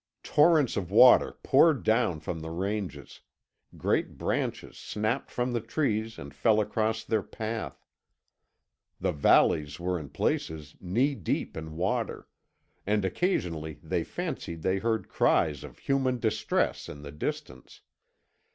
Torrents of water poured down from the ranges great branches snapped from the trees and fell across their path the valleys were in places knee deep in water and occasionally they fancied they heard cries of human distress in the distance.